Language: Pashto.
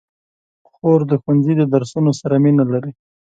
خور د ښوونځي د درسونو سره مینه لري.